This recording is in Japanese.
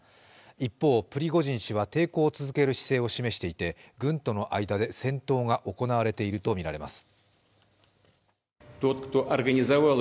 一方、プリゴジン氏は抵抗を続ける姿勢を示していて軍との間で戦闘が行われているとみられます。